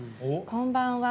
こんばんは。